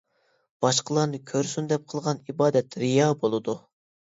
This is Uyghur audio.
باشقىلارنى كۆرسۇن دەپ قىلغان ئىبادەت رىيا بولىدۇ.